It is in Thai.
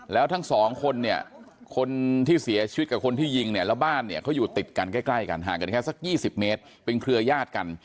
แล้วทั้งสองคนเนี่ยคนที่เสียชีวิตกับคนที่ยิงเนี่ยแล้วบ้านเนี่ยเขาอยู่ติดกันใกล้กันห่างกันแค่สัก๒๐เมตรเป็นเครือญาติกัน